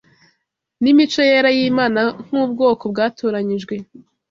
n’imico yera y’Imana nk’ubwoko bwatoranyijwe